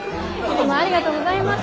親方ありがとうございます。